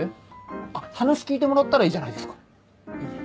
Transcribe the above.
あっ話聞いてもらったらいいじゃないですか。